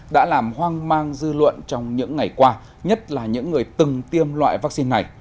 đã làm hoang mang dư luận trong những ngày qua nhất là những người từng tiêm loại vaccine này